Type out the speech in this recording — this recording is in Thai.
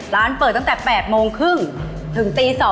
ร้านเปิดตั้งแต่๘โมงครึ่งถึงตี๒